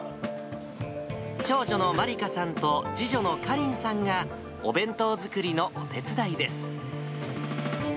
長女のまりかさんと次女のかりんさんがお弁当作りのお手伝いです。